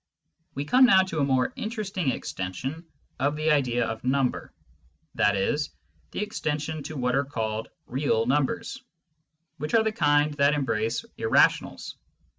We come now to a more interesting extension of the idea of number, i.e. the extension to what are called " real " numbers, which are the kind that embrace irrationals.